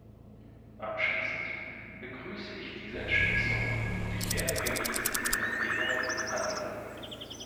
Abschließend begrüße ich diese Entschließung, und ich werde gemäß diesen Empfehlungen handeln.